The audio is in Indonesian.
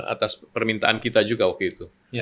atas permintaan kita juga waktu itu